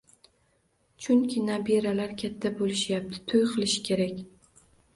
Chunki nabiralar katta bo‘lishyapti, to‘y qilishi kerak.